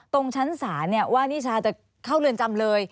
ตรงชั้นศาลว่านิชาจะเข้าเรือนจำเลย